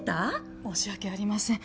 申し訳ありません。